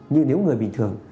như nếu người bình thường